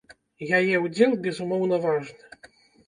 Яе ўдзел, безумоўна, важны.